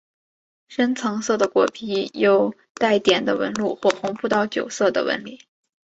深橙色的果皮有带点的纹路或红葡萄酒色的纹理。